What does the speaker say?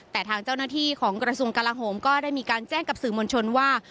แต่ทางเจ้าหน้าที่ของกระทรวงกลาโหมก็ได้มีการแจ้งกับสื่อมวลชนว่า